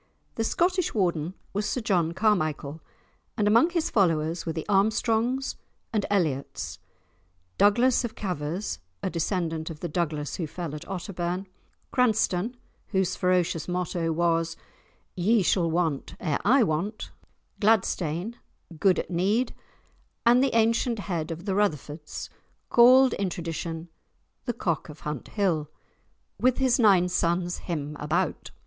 The Scottish Warden was Sir John Carmichael, and among his following were the Armstrongs and Elliots, Douglas of Cavers (a descendant of the Douglas who fell at Otterbourne), Cranstoun, whose ferocious motto was "Ye shall want ere I want," Gladstain, "good at need," and the ancient head of the Rutherfoords, called in tradition the Cock of Hunthill, "with his nine sons him about."